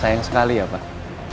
sayang sekali ya pak